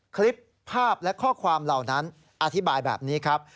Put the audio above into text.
คลิปภาพและข้อความเหล่านั้นอธิบายแบบนี้ครับ